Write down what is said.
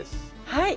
はい。